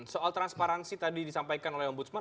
soal transparansi tadi disampaikan oleh om busman